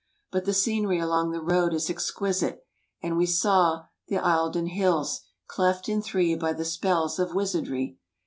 Bui the scenery along the road is exquisite and we saw the Eildon Hills, cleft in three by the spells of wizardry.